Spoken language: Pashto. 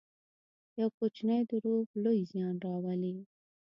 یو کوچنی دروغ لوی زیان راولي.